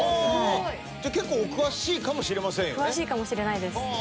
じゃあ結構お詳しいかもしれませんよね。